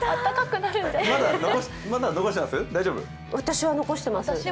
まだ残してます？